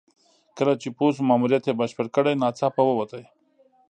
کله چې پوه شو ماموریت یې بشپړ کړی ناڅاپه ووت.